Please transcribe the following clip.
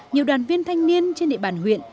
nhiều đoàn viên thanh niên trên địa bàn huyện